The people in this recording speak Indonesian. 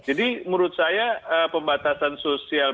jadi menurut saya pembatasan sosial